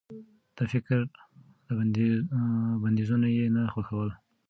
د فکر بنديزونه يې نه خوښول.